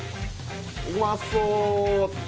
うまそう。